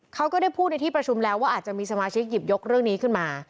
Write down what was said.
ก็ได้พูดในที่ประชุมแล้วว่าอาจจะมีสมาชิกหยิบยกเรื่องนี้ขึ้นมา